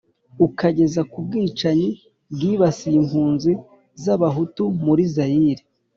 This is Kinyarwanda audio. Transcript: ukageza ku bwicanyi bwibasiye impunzi z'abahutu muri zayire